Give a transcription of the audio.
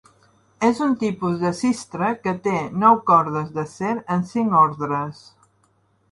És un tipus de cistre que té nou cordes d'acer en cinc ordres.